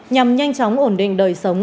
nhằm nhanh chóng ổn định đời sống